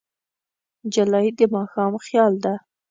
نجلۍ د ماښام خیال ده.